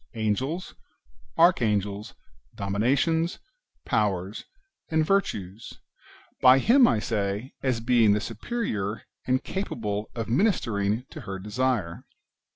Angels, Archangels, Dominations, Powers, and Virtues, — [by him, I say,] as being the superior, and capable of ministering to her desire.